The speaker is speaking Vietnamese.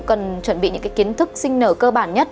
cần chuẩn bị những cái kiến thức sinh nở cơ bản nhất